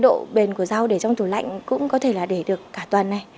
độ bền của rau để trong tủ lạnh cũng có thể là để được cả tuần này